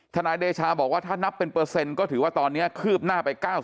นายเดชาบอกว่าถ้านับเป็นเปอร์เซ็นต์ก็ถือว่าตอนนี้คืบหน้าไป๙๐